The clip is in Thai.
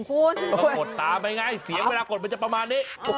ก็หดตามไปง่ายเสียงเวลากดมาจะแบบนี้